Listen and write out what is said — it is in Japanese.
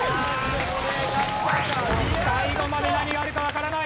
最後まで何があるかわからない。